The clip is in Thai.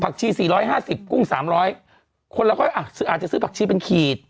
ผักชีสี่ร้อยห้าสิบกุ้งสามร้อยคนละก็อาจจะซื้อผักชีเป็นขีด